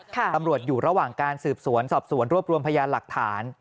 ตำรวจอยู่ระหว่างการสืบสวนสอบสวนรวบรวมพยานหลักฐาน